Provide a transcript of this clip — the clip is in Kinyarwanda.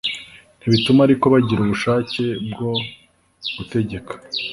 ntibituma ariko bagira ububasha bwo gutegeka